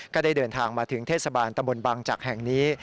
ก็ได้เดินทางมาถึงเทศบาลตำบลบังจักรแห่งนี้